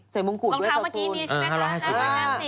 เสร็จมงคุดด้วยกับตูนเออ๕๕๐บาท